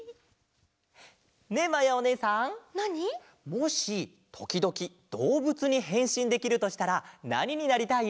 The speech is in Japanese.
もしときどきどうぶつにへんしんできるとしたらなにになりたい？